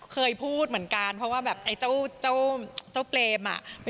เคยพูดเหมือนกันเพราะว่าจ้าเอ้าเบนส์